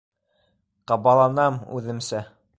Ҡабаланам үҙемсә.